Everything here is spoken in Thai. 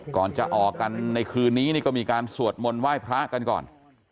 ก่อนจะออกกันในคืนนี้นี่ก็มีการสวดมนต์ไหว้พระกันก่อน